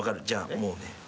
じゃあもうね。